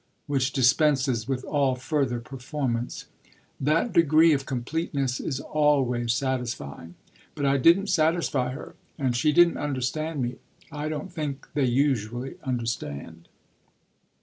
which dispenses with all further performance. That degree of completeness is always satisfying. But I didn't satisfy her, and she didn't understand me. I don't think they usually understand."